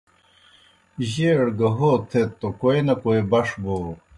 جیئڑ گہ ہو تھیت توْ کوئے نہ کوئے بݜ بو۔